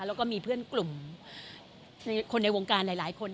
แล้วก็มีเพื่อนกลุ่มคนในวงการหลายคน